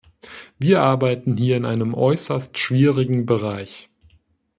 Wir arbeiten hier in einem äußerst schwierigen Bereich.